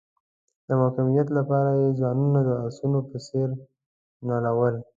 د مقاومت لپاره یې ځانونه د آسونو په څیر نالول.